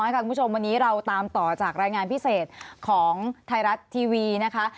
คุณผู้ชมวันนี้เราตามต่อจากรายงานพิเศษของไทยรัฐทีวีนะคะ